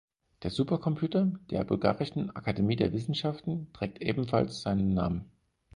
Der Supercomputer der Bulgarischen Akademie der Wissenschaften trägt ebenfalls seinen Namen.